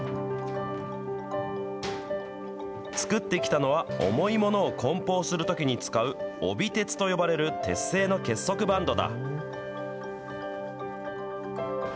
作ってきたのは、重いものをこん包するときに使う帯鉄と呼ばれる鉄製の結束バンドだ。